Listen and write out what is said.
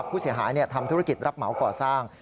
ผู้เสียหายทำธุรกิจรับเหมาก่อสร้าง